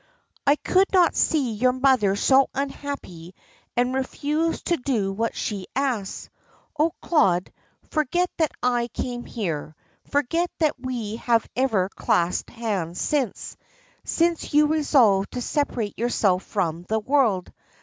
"I could not see your mother so unhappy and refuse to do what she asked. Oh, Claude, forget that I came here. Forget that we have ever clasped hands since since you resolve to separate yourself from the world.